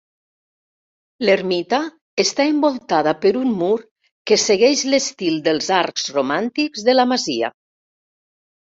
L'ermita està envoltada per un mur que segueix l'estil dels arcs romàntics de la masia.